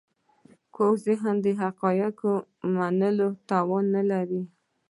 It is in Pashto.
کوږ ذهن د حقایقو منلو توان نه لري